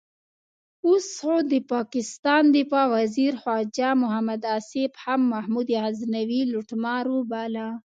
اوس خو د پاکستان دفاع وزیر خواجه محمد آصف هم محمود غزنوي لوټمار وباله.